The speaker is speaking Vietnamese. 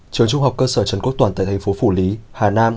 trường trung học cơ sở trần quốc toàn tại tp phủ lý hà nam